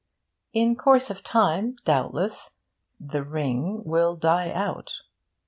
In course of time, doubtless, 'the ring'will die out.